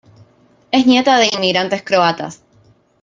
Es nieta de inmigrantes croatas.